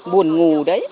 buồn ngủ đấy